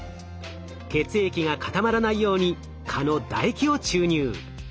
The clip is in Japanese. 血液が固まらないように蚊のだ液を注入。